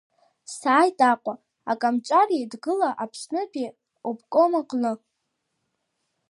Сааит Аҟәа, акомҿареидгыла Аԥснытәи обком аҟны.